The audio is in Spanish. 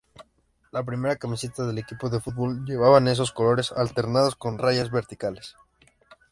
La primera camiseta del equipo de fútbol llevaban esos colores, alternados con rayas verticales.